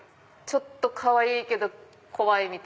ちょっとかわいいけど怖い！